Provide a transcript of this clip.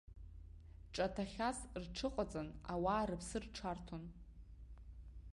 Ҿаҭахьас рҽыҟаҵан, ауаа рыԥсы рҽарҭон!